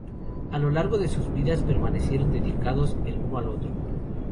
A lo largo de sus vidas permanecieron dedicados el uno al otro.